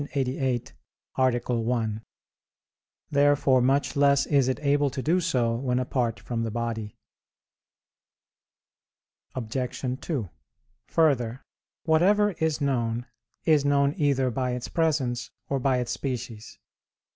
88, A. 1). Therefore much less is it able to do so when apart from the body. Obj. 2: Further, whatever is known is known either by its presence or by its species.